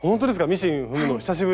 ミシン踏むの久しぶり？